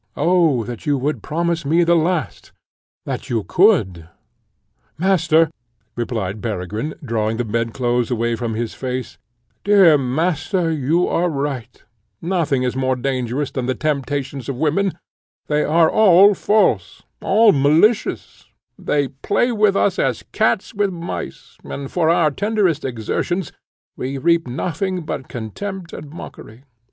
Oh that you would promise me the last! that you could! " "Master," replied Peregrine, drawing the bed clothes away from his face, "dear Master, you are right: nothing is more dangerous than the temptations of women; they are all false, all malicious; they play with us as cats with mice, and for our tenderest exertions we reap nothing but contempt and mockery.